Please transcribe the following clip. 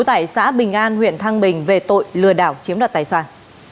tại xã bình an huyện thăng bình về tội lừa đảo chiếm đoạt tài sản